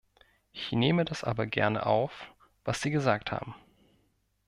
Ich nehme das aber gerne auf, was Sie gesagt haben.